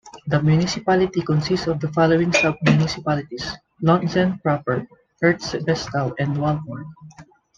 The municipality consists of the following sub-municipalities: Lontzen proper, Herbestal, and Walhorn.